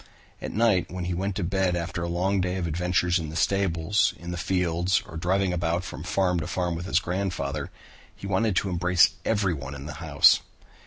At night when he went to bed after a long day of adventures in the stables, in the fields, or driving about from farm to farm with his grandfather, he wanted to embrace everyone in the house.